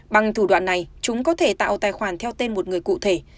bằng thủ đoạn này chúng có thể tạo tài khoản theo tên một người cụ thể